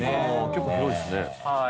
結構広いですね。